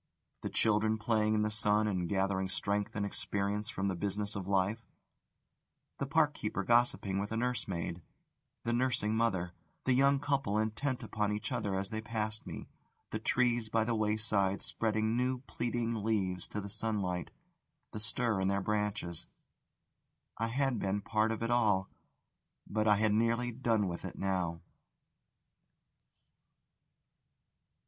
The children playing in the sun and gathering strength and experience for the business of life, the park keeper gossiping with a nursemaid, the nursing mother, the young couple intent upon each other as they passed me, the trees by the wayside spreading new pleading leaves to the sunlight, the stir in their branches I had been part of it all, but I had nearly done with it now.